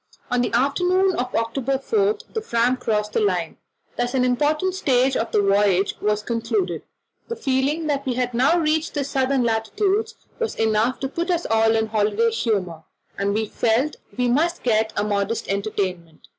On the afternoon of October 4 the Fram crossed the line. Thus an important stage of the voyage was concluded: the feeling that we had now reached southern latitudes was enough to put us all in holiday humour, and we felt we must get up a modest entertainment.